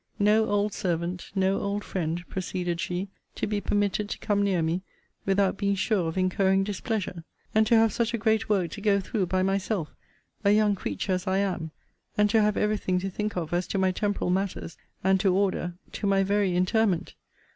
No old servant, no old friend, proceeded she, to be permitted to come near me, without being sure of incurring displeasure! And to have such a great work to go through by myself, a young creature as I am, and to have every thing to think of as to my temporal matters, and to order, to my very interment!